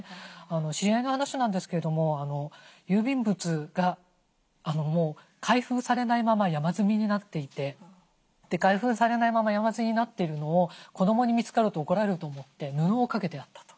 知り合いの話なんですけども郵便物が開封されないまま山積みになっていて開封されないまま山積みになっているのを子どもに見つかると怒られると思って布をかけてあったと。